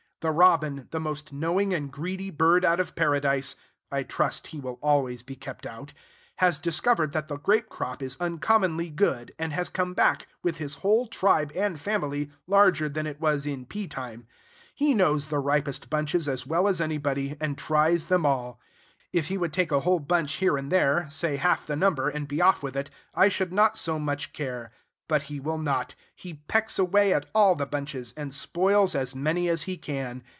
The robin, the most knowing and greedy bird out of paradise (I trust he will always be kept out), has discovered that the grape crop is uncommonly good, and has come back, with his whole tribe and family, larger than it was in pea time. He knows the ripest bunches as well as anybody, and tries them all. If he would take a whole bunch here and there, say half the number, and be off with it, I should not so much care. But he will not. He pecks away at all the bunches, and spoils as many as he can.